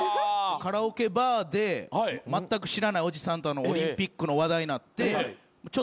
カラオケバーでまったく知らないおじさんとオリンピックの話題になってちょっとね